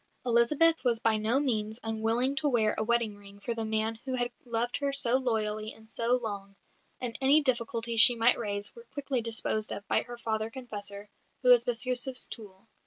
Elizabeth was by no means unwilling to wear a wedding ring for the man who had loved her so loyally and so long; and any difficulties she might raise were quickly disposed of by her father confessor, who was Bestyouzhev's tool.